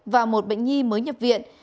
và một bệnh nhi mới nhập viện